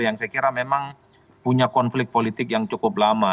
yang saya kira memang punya konflik politik yang cukup lama